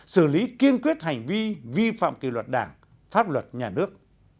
xử lý kiên quyết hành vi vi phạm kỳ luật đảng pháp luật nhà nước